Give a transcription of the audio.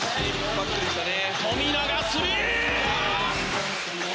富永、スリー！